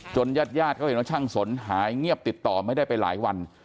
ญาติญาติเขาเห็นว่าช่างสนหายเงียบติดต่อไม่ได้ไปหลายวัน